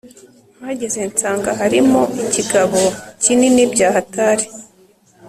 mpageze nsanga harimo ikigabo kinini byahatari